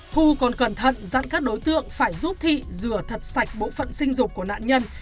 thu còn cẩn thận dặn các đối tượng phải giúp thị rửa thật sạch bộ phận sinh dục của nạn nhân